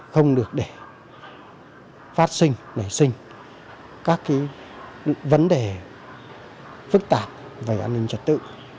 không được để phát sinh nảy sinh các vấn đề phức tạp về an ninh trật tự